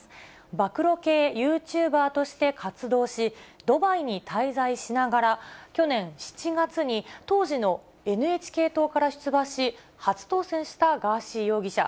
暴露系ユーチューバーとして活動し、ドバイに滞在しながら、去年７月に当時のＮＨＫ党から出馬し、初当選したガーシー容疑者。